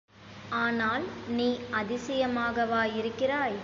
ஆனால் நீ அதிசயமாகவா இருக்கிறாய்?